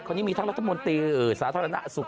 ตอนนี้มีทั้งรัฐมนตรีซาถรดหน้าสุข